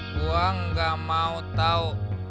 gua gak mau tau